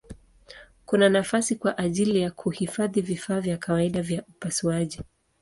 Kuna nafasi kwa ajili ya kuhifadhi vifaa vya kawaida vya upasuaji.